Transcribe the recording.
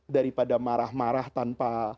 daripada marah marah tanpa